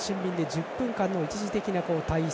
１０分間の一時的な退出。